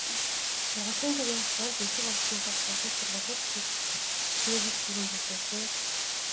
Сургалтын төвийн хашаанд нисэх онгоцныхоос бусад сургуулилалт хийх орчныг иж бүрэн бүрдүүлжээ.